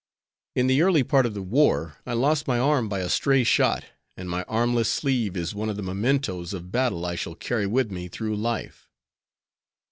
In the early part of the war I lost my arm by a stray shot, and my armless sleeve is one of the mementos of battle I shall carry with me through life.